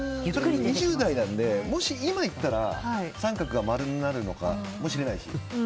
２０代なので、もし今行ったら三角が丸になるのかもしれないし。